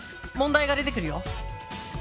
問題が出てくるよ。